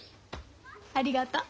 ありがとう。